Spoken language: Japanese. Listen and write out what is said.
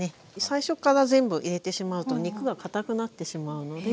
最初から全部入れしまうと肉がかたくなってしまうので。